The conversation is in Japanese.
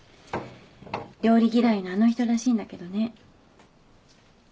料理嫌いなあの人らしいんだけどね。